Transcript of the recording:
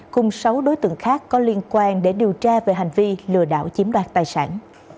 cùng sáu đối tượng khác có liên quan để điều tra về hành vi lừa đảo chiếm đoạt tài sản